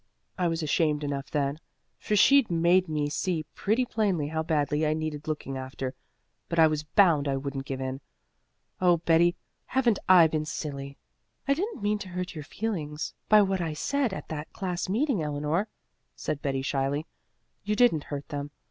I was ashamed enough then, for she'd made me see pretty plainly how badly I needed looking after, but I was bound I wouldn't give in. Oh, Betty, haven't I been silly!" "I didn't mean to hurt your feelings by what I said at that class meeting, Eleanor," said Betty shyly. "You didn't hurt them.